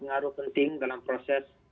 pengaruh penting dalam proses